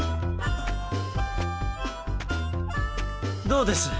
どうです？